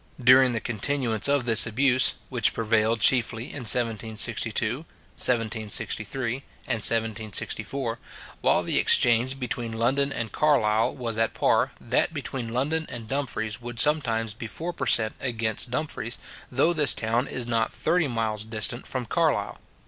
During the continuance of this abuse (which prevailed chiefly in 1762, 1763, and 1764), while the exchange between London and Carlisle was at par, that between London and Dumfries would sometimes be four per cent. against Dumfries, though this town is not thirty miles distant from Carlisle.